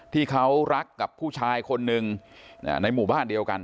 ที่เขารักกับผู้ชายคนหนึ่งในหมู่บ้านเดียวกัน